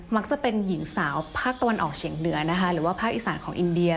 จะเป็นหญิงสาวภาคตะวันออกเฉียงเหนือนะคะหรือว่าภาคอีสานของอินเดีย